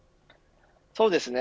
そうですね。